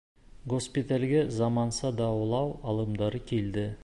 Госпиталгә заманса дауалау алымдары килде